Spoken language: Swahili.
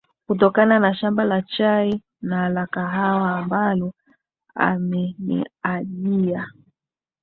kutokana na shamba la chai na la kahawa ambalo ameniajia